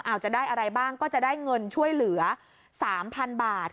อาจจะได้อะไรบ้างก็จะได้เงินช่วยเหลือ๓๐๐๐บาท